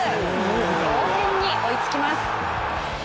同点に追いつきます。